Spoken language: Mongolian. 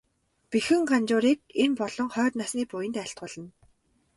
Бэхэн Ганжуурыг энэ болон хойд насны буянд айлтгуулна.